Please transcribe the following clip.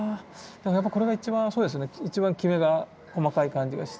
やっぱこれが一番そうですね一番キメが細い感じがして。